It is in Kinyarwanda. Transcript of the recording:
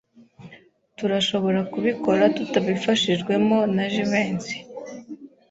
Turashobora kubikora tutabifashijwemo na Jivency.